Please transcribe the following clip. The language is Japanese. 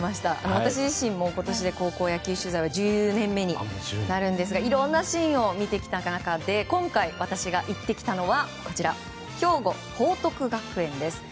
私自身も今年で高校野球取材は１２年目になるんですがいろんなシーンを見てきた中で今回、私が行ってきたのは兵庫・報徳学園です。